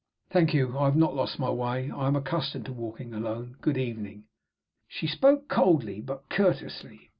"Thank you. I have not lost my way. I am accustomed to walking alone. Good evening." She spoke coldly, but courteously.